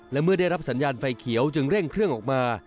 และเมื่อได้รับสัญญาณไฟเขียวจึงเร่งเครื่องออกมา